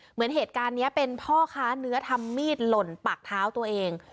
เหมือนเหตุการณ์นี้เป็นพ่อค้าเนื้อทำมีดหล่นปากเท้าตัวเอง